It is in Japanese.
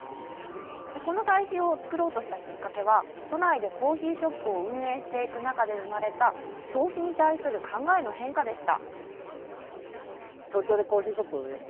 この堆肥を作ろうとしたきっかけは、都内でコーヒーショップを運営していく中で生まれた消費に対する考えの変化でした。